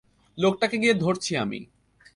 লোকটাকে গিয়ে ধরছি আমি।